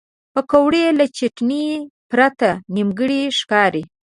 پکورې له چټنې پرته نیمګړې ښکاري